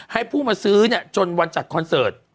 ให้ผู้มาซื้อจนวันจัดคอนเสิร์ต